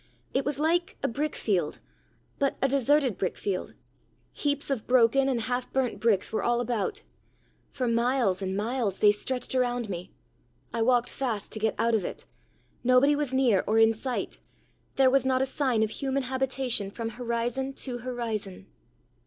It was like a brick field but a deserted brick field. Heaps of broken and half burnt bricks were all about. For miles and miles they stretched around me. I walked fast to get out of it. Nobody was near or in sight; there was not a sign of human habitation from horizon to horizon.